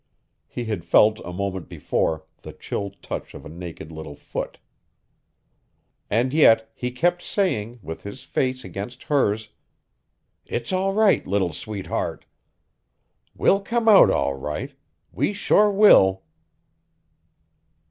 He had felt, a moment before, the chill touch of a naked little foot. And yet he kept saying, with his face against hers: "It's all right, little sweetheart. We'll come out all right we sure will!"